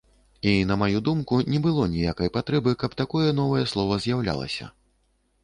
І на маю думку, не было ніякай патрэбы, каб такое новае слова з'яўлялася.